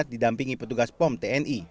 didampingi petugas pom tni